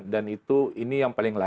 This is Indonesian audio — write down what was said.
dan itu ini yang paling layak